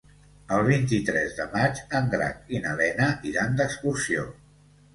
El vint-i-tres de maig en Drac i na Lena iran d'excursió.